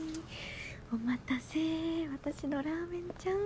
お待たせ私のラーメンちゃん。